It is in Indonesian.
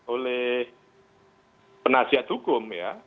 oleh penasihat hukum ya